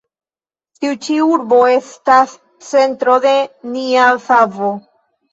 Tiu ĉi urbo estas centro de nia savo.